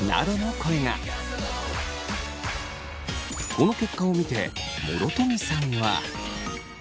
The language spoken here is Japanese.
この結果を見て諸富さんは。